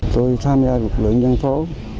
tôi tham gia lực lượng nhân phố